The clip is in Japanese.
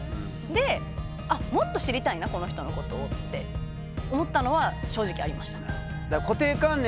でもっと知りたいなこの人のことをって思ったのは正直ありました。